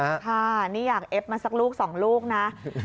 ค่ะนี่อยากเอฟมาสักลูก๒ลูกนะ